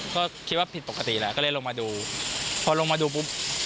ก็คิดว่าผิดปกติแล้วก็เลยลงมาดูพอลงมาดูปุ๊บ